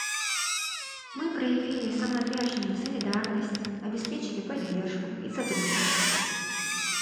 Мы проявили самоотверженную солидарность, обеспечили поддержку и сотрудничество.